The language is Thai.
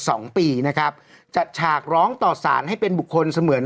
สองปีนะครับจัดฉากร้องต่อสารให้เป็นบุคคลเสมือน